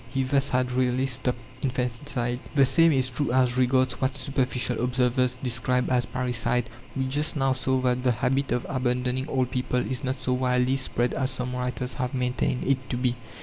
He thus had really stopped infanticide. The same is true as regards what superficial observers describe as parricide. We just now saw that the habit of abandoning old people is not so widely spread as some writers have maintained it to be.